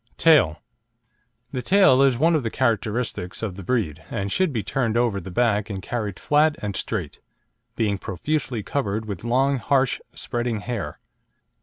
TAIL The tail is one of the characteristics of the breed, and should be turned over the back and carried flat and straight, being profusely covered with long, harsh, spreading hair.